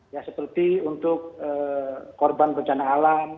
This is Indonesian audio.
ya seperti untuk korban bencana alam